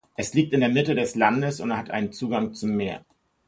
Es liegt in der Mitte des Landes und hat einen Zugang zum Meer.